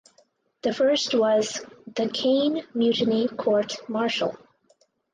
The first was "The Caine Mutiny Court Martial".